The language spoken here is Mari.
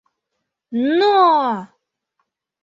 Н-но!